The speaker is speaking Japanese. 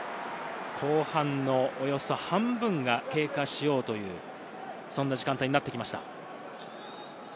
後半のおよそ半分が経過しようというそんな時間帯になってきました。